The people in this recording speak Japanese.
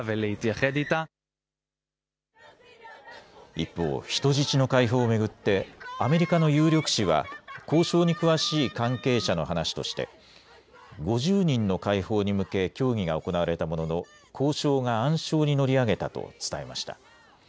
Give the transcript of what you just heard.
一方、人質の解放を巡ってアメリカの有力紙は交渉に詳しい関係者の話として５０人の解放に向け協議が行われたものの交渉が暗礁に乗り上げたと伝えました。